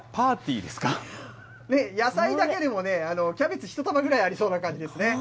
野菜だけでもね、キャベツ１玉ぐらいありそうな感じですね。